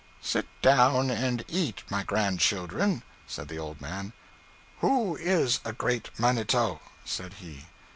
'Sit down and eat, my grandchildren,' said the old man. 'Who is a great manito?' said he.